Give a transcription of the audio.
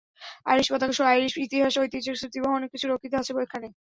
Irish পতাকাসহ Irish ইতিহাস ঐতিহ্যের স্মৃতিবহ অনেক কিছু রক্ষিত আছে এখানে।